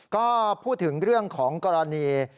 ก็พูดถึงเรื่องของกรณี